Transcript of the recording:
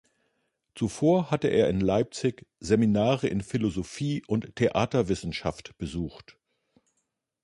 Zuvor hatte er in Leipzig Seminare in Philosophie und Theaterwissenschaft besucht.